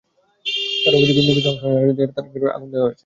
তাঁর অভিযোগ, নির্বাচনে অংশ নেওয়ার জেরে তাঁর ঘরে আগুন দেওয়া হয়েছে।